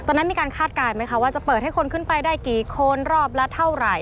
มีการคาดการณ์ไหมคะว่าจะเปิดให้คนขึ้นไปได้กี่คนรอบละเท่าไหร่